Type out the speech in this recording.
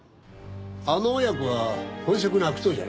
あの親子は本職の悪党じゃない。